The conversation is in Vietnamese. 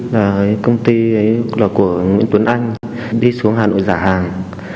là công ty là của nguyễn tuấn anh đi xuống hà nội giả hàng